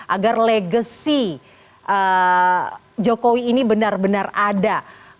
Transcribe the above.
agar legacy jokowi ini benar benar ada